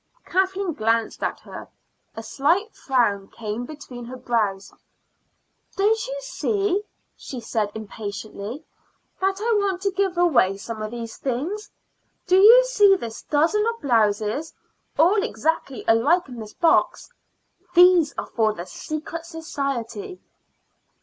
Kathleen glanced at her. A slight frown came between her brows. "Don't you see," she said impatiently, "that I want to give away some of these things? Do you see this dozen of blouses, all exactly alike, in this box? These are for the secret society."